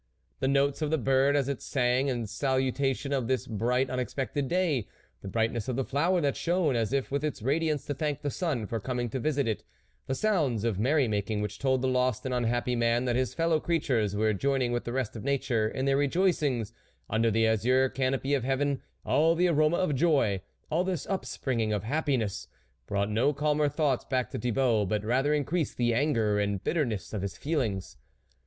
The notes of the bird as it sang in salutation of this bright, unexpected day, the brightness of the flower that shone as if with its radiance to thank the sun for coming to visit it, the sounds of merry making which told the lost and unhappy 74 THE WOLF LEADER man that his fellow creatures were join ing with the rest of nature in their re joicings under the azure canopy of heaven, all the aroma of joy, all this up springing of happiness, brought no calmer thoughts back to Thibault, but rather increased the anger and bitterness of his feelings.